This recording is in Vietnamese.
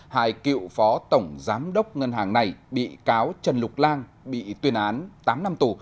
hai cựu phó tổng giám đốc ngân hàng này bị cáo trần lục lan bị tuyên án tám năm tù